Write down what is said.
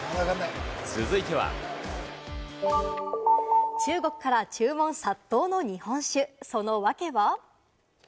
続いては、中国から注文殺到の日本酒、そのワケは？